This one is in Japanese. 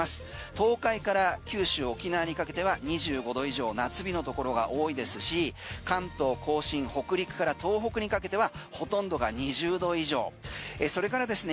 東海から九州、沖縄にかけては２５度以上夏日のところが多いですし関東、甲信北陸から東北にかけてはほとんどが２０度以上それからですね